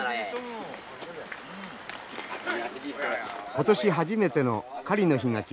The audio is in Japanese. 今年初めての狩りの日が来ました。